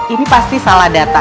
ini pasti salah data